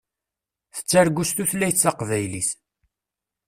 Tettargu s tutlayt taqbaylit.